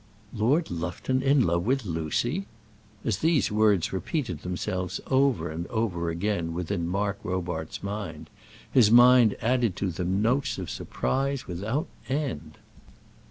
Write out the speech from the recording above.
Lord Lufton in love with Lucy! As these words repeated themselves over and over again within Mark Robarts's mind, his mind added to them notes of surprise without end.